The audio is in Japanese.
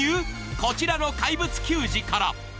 こちらの怪物球児から。